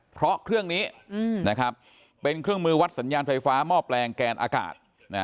เพราะเครื่องนี้เป็นเครื่องมือวัดสัญญาณไฟฟ้าหม้อแปลงแกนอากาศ